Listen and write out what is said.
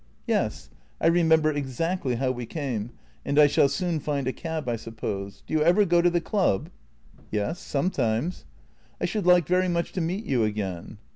" "Yes; I remember exactly how we came, and I shall soon find a cab, I suppose. Do you ever go to the club? "" Yes, sometimes." " I should like very much to meet you again."